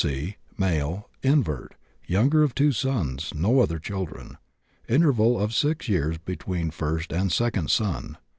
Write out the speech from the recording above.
C., male, invert, younger of 2 sons, no other children. Interval of six years between first and second son.